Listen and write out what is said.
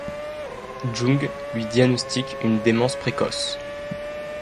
Jung lui diagnostique une démence précoce.